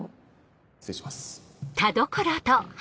失礼します